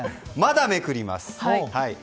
まだめくります。